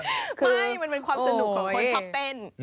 ไม่มันเป็นความสนุกของคนชอบเต้น